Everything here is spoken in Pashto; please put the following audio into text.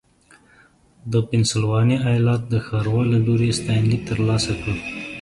د پنسلوانیا ایالت د ښاروال له لوري ستاینلیک ترلاسه کړ.